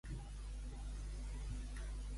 A la part.